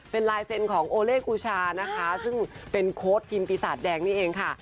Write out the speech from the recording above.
เป็นลายเซ็นต์ของโอเล่กูชานะคะซึ่งเป็นโค้ดทีมปีศาจแดงนี่เองค่ะ